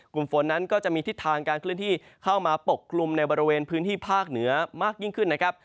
กลุ่มฝนนั้นก็จะมีทิศทางการเคลื่อนที่เข้ามาปกคลุมในบริเวณพื้นที่ภาคเหนือมากยิ่งขึ้นนะครับ